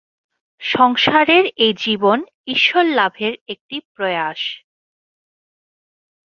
সংসারের এই জীবন ঈশ্বরলাভের একটি প্রয়াস।